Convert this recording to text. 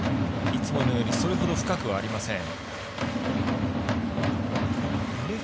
いつものようにそれほど深くはありません。